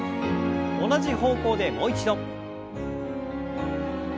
同じ方向でもう一度。